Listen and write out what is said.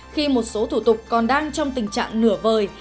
khi một số thủ tục còn đang trong tình trạng nửa vời